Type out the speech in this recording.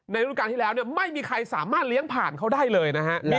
รูปการณ์ที่แล้วไม่มีใครสามารถเลี้ยงผ่านเขาได้เลยนะฮะ